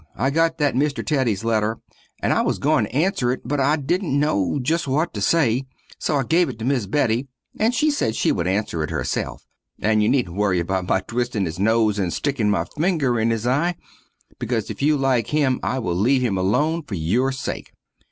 I got that mister Teddy's letter, and I was goin to anser it but I dident no just what to say, so I gave it to miss Betty and she sed she wood anser it herself. And you needent worry about my twistin his nose and stikin my finger in his eye, because if you like him I will leave him alone fer your sake.